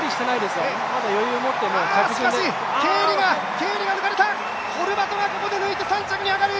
ケーリが抜かれたホルバトがここで抜いて３着に上がる！